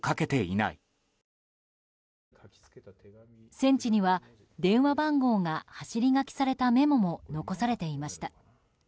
戦地には、電話番号が走り書きされたメモも残されていました。